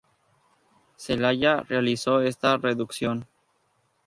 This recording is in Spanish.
Zelaya realizó esta reducción.